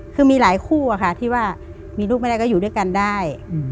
คือมีหลายคู่อะค่ะที่ว่ามีลูกไม่ได้ก็อยู่ด้วยกันได้